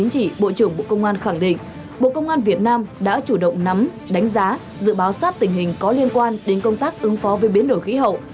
chẳng định bộ công an việt nam đã chủ động nắm đánh giá dự báo sát tình hình có liên quan đến công tác ứng phó với biến đổi khí hậu